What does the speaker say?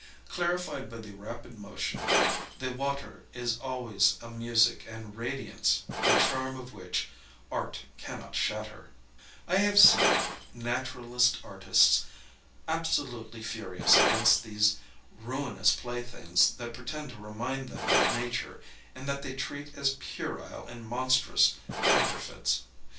Clarified by the rapid mo tion, the water is always a music and radiance, the charm of which art cannot shatter* I have seen naturalist artists absolutely furious against these ruinous playthings that pretend to remind them of nature and that they treat as puerile and monstrous coun terfeits.